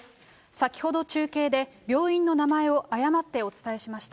先ほど中継で病院の名前を誤ってお伝えしました。